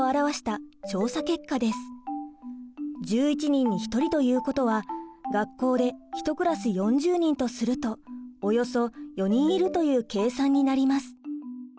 １１人に１人ということは学校で１クラス４０人とするとおよそ４人いるという計算になります。